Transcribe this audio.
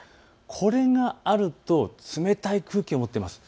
これがあると冷たい空気を持っています。